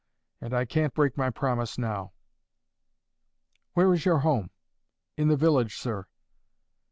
And I can't break my promise now." "Where is your home?" "In the village, sir."